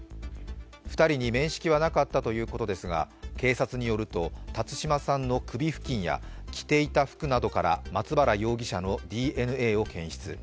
２人に面識はなかったということですが、警察によると辰島さんの首付近や着ていた服などから松原容疑者のＤＮＡを検出。